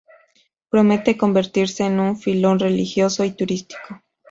Promete convertirse en un filón religioso y turístico.